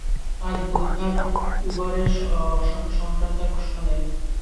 আজ বুধবার উবার এ সংক্রান্ত এক ঘোষণা দেয়।